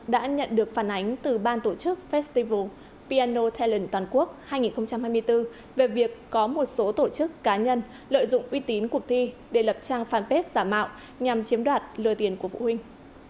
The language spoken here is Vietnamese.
đã nhận được phản ánh từ ban tổ chức festival piano talent toàn quốc hai nghìn hai mươi bốn về việc có một số tổ chức cá nhân lợi dụng uy tín cuộc thi để lập trang fanpage giả mạo nhằm chiếm đoạt lừa tiền của vũ huynh